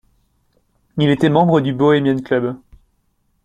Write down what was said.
Il était membre du Bohemian Club.